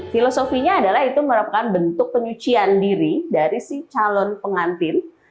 filosofinya adalah itu merupakan bentuk penyucian diri dari si calon pengantin